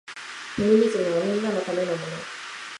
フェミニズムはみんなのためのもの